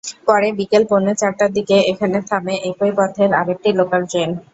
পরে বিকেল পৌনে চারটার দিকে এখানে থামে একই পথের আরেকটি লোকাল ট্রেন।